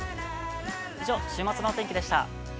以上、週末のお天気でした。